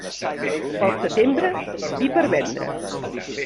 Pel setembre, vi per vendre.